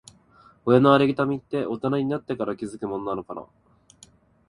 親のありがたみって、大人になってから気づくものなのかな。